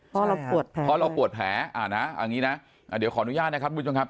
เพราะเราปวดแผลเพราะเราปวดแผลนะเอาอย่างนี้นะเดี๋ยวขออนุญาตนะครับคุณผู้ชมครับ